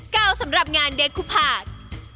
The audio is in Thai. ก้าวสำหรับงานเดคุภาค